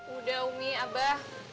udah om mi abah